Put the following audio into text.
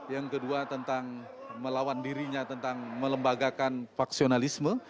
yang kedua tentang melawan dirinya tentang melembagakan faksionalisme